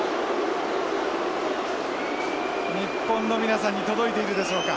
日本の皆さんに届いているでしょうか？